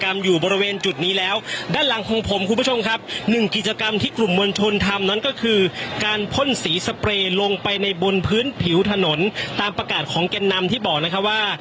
มีการพ่นสีสเปลลงไปบนพื้นผิวถนนตามประกาศของเกณฑ์นำที่บอกนะครับว่า